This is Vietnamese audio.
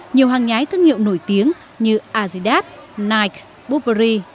nhiều hàng nhái thương hiệu nổi tiếng như azidat nike burberry